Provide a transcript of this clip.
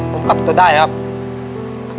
ผมกลับตัวได้ครับ